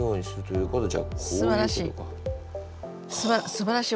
すばらしい。